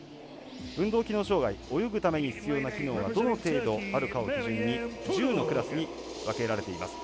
運動機能障がい泳ぐために必要な機能がどの程度あるかを基準に１０のクラスに分けられています。